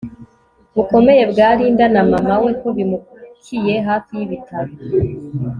bukomeye bwa Linda na mama we ko bimukiye hafi yibitaro